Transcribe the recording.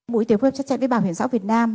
bộ y tế phương chắc chắn với bảo hiểm giáo việt nam